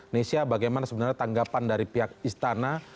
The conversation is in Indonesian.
nesya bagaimana sebenarnya tanggapan dari pihak istana